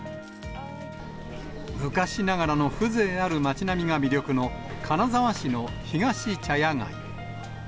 昔ながらの風情ある町並みが魅力の、金沢市のひがし茶屋街。